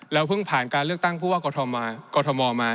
แล้วเพิ่งผ่านการเลือกตั้งเพราะว่ากฐมมา